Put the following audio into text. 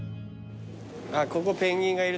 あっここペンギンがいるところか。